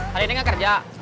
hari ini gak kerja